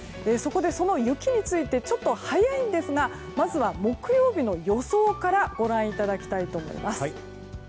そこで、その雪についてちょっと早いんですがまずは木曜日の予想からご覧いただきたいと思います。